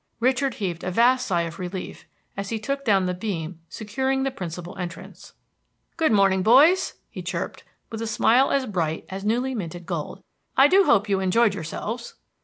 Richard heaved a vast sigh of relief as he took down the beam securing the principal entrance. "Good morning, boys," he chirped, with a smile as bright as newly minted gold. "I hope you enjoyed yourselves."